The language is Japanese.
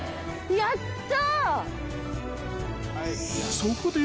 やった。